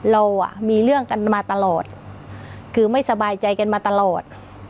เราอ่ะมีเรื่องกันมาตลอดคือไม่สบายใจกันมาตลอด